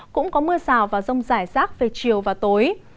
cũng có mưa rào và rông rải rác về chiều và tối